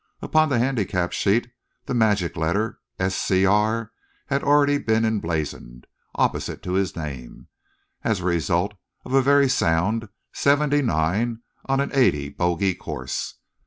Upon the handicap sheet the magic letter "Scr." had already been emblazoned opposite to his name, as the result of a very sound seventy nine on an eighty bogey course.